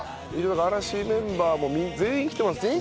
嵐メンバーも全員来てますもんね。